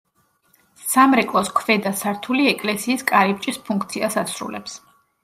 სამრეკლოს ქვედა სართული ეკლესიის კარიბჭის ფუნქციას ასრულებს.